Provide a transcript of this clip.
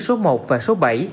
số một và số bảy